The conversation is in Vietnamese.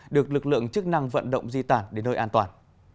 được lực lượng chức năng vận động di tản đến nơi an toàn